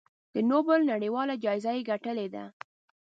د نوبل نړیواله جایزه یې ګټلې ده.